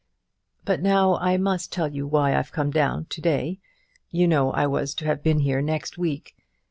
But now I must tell you why I've come down to day; you know I was to have been here next week.